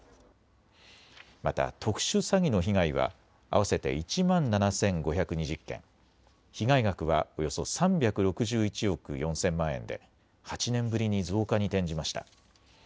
また特殊詐欺の被害は合わせて１万７５２０件、被害額はおよそ３６１億４０００万円で８年ぶりに増加に転じました。